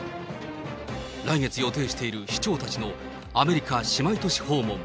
来月予定している市長たちのアメリカ姉妹都市訪問。